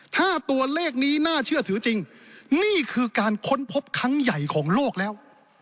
ถ้าตัวเลขนี้น่าเชื่อถือจริงนี่คือการค้นพบครั้งใหญ่ของโลกแล้ว